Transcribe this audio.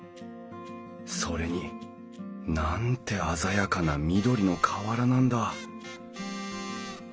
それになんて鮮やかな緑の瓦なんだ！